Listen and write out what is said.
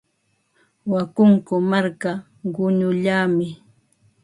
Wakunku marka quñullami.